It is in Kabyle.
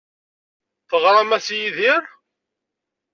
Teɣram-as i Yidir?